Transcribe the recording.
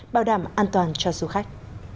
bao đảm an toàn cho du khách